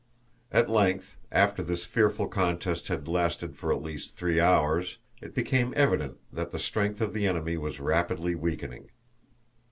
At length, after this fearful contest had lasted for at least three hours, it became evident that the strength of the enemy was rapidly weakening.